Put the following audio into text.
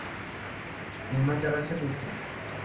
Il m'intéressait beaucoup.